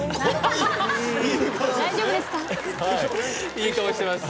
いい顔してます。